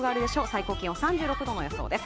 最高気温３６度の予想です。